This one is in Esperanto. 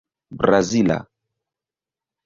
brazila